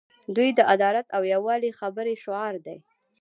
دوی د عدالت او یووالي خبرې شعار دي.